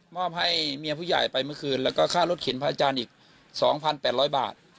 อบให้เมียผู้ใหญ่ไปเมื่อคืนแล้วก็ค่ารถเข็นพระอาจารย์อีก๒๘๐๐บาท